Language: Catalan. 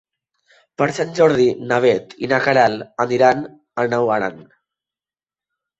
Per Sant Jordi na Bet i na Queralt aniran a Naut Aran.